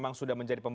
bakal menjadi mpw